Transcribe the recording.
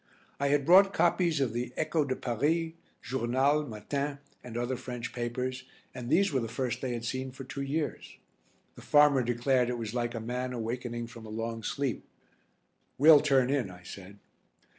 I had brought copies of the Echo de Paris, Journal, Matin and other French papers, and these were the first they had seen for two years. The farmer declared it was like a man awakening from a long sleep. "We'll turn in," I said.